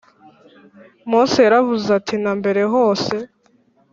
Mose yaravuze ati na mbere hose